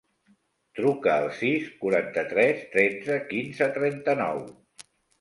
Truca al sis, quaranta-tres, tretze, quinze, trenta-nou.